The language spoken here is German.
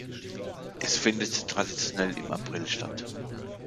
Es findet traditionell im April statt.